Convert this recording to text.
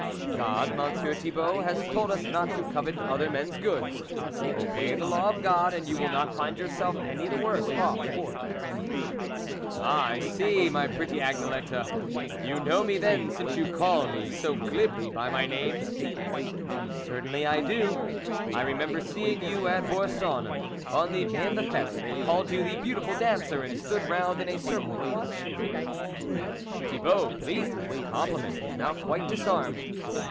"'. "God, Monsieur Thibault, has told us not to covet other men's goods ; obey the law of God, and you will not find yourself any the worse off for it !"" Ah, I see, my pretty Agnelette, you know me then, since you call me so glibly by my name ?"" Certainly I do ; I remember seeing you at Boursonnes, on the day of the fete ; they called you the beautiful dancer, and stood round in a circle to watch you." Thibault, pleased with this compliment, was now quite disarmed.